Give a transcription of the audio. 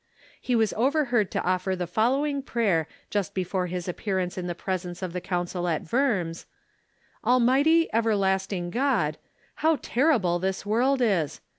He was overheard to offer the following prayer just before his appearance in the presence of the Council at Worms :" Almighty, Everlasting God, how terrible this world is